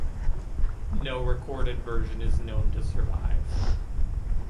No recorded version is known to survive.